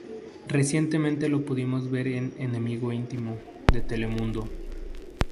Recientemente lo pudimos ver en "Enemigo íntimo" de Telemundo.